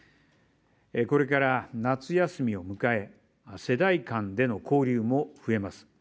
これから夏休みを迎え、世代間での交流も増えます。